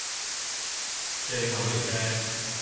藉口嚟啫